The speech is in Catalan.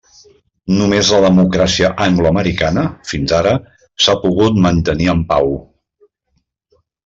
Només la democràcia angloamericana, fins ara, s'ha pogut mantenir en pau.